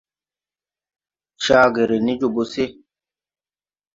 Caa ge ré ne jobo se.